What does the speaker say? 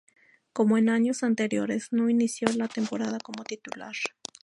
Como en años anteriores, no inició la temporada como titular.